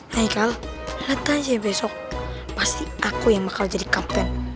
hai kal liat aja besok pasti aku yang bakal jadi kapten